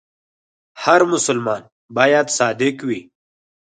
هر مسلمان باید صادق وي.